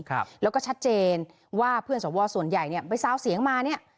แล้วก็ชัดเจนว่าเพื่อนสวววัญชัยส่วนใหญ่เนี่ยไปซ้าวเสียงมาเนี่ย